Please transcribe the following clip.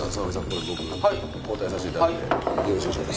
これ僕交代させていただいてよろしいでしょうか？